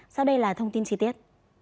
sau đây là thông tin trí tiết